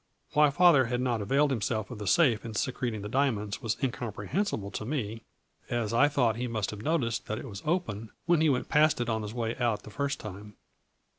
Why Father had not availed him self of the safe in secreting the diamonds was incomprehensible to me, as I thought he must have noticed that it was open when he went past it on his way out the first time.